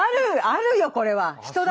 あるよこれは。